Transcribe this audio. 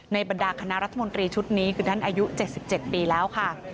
บรรดาคณะรัฐมนตรีชุดนี้คือท่านอายุ๗๗ปีแล้วค่ะ